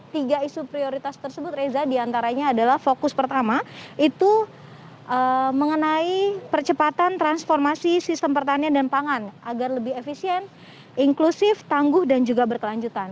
tiga isu prioritas tersebut reza diantaranya adalah fokus pertama itu mengenai percepatan transformasi sistem pertanian dan pangan agar lebih efisien inklusif tangguh dan juga berkelanjutan